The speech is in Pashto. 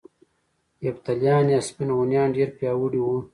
یفتلیان یا سپین هونیان ډیر پیاوړي وو